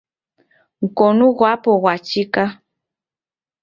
Mkonu ghwapo ghwachika.